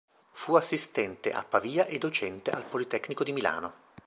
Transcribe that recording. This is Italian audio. Fu assistente a Pavia e docente al Politecnico di Milano.